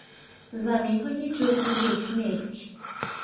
زمینهای جزو یک ملک